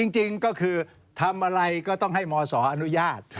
จริงก็คือทำอะไรก็ต้องให้มศอนุญาต